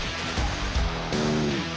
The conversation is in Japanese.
うん。